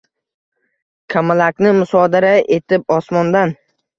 kamalakni musodara etib osmondan